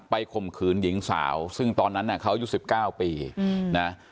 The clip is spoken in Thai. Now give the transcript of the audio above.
ไปข่มขืนหญิงสาวซึ่งตอนนั้นน่ะเขาอยู่สิบเก้าปีนะ